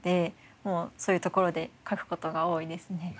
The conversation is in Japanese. もうそういう所で書く事が多いですね。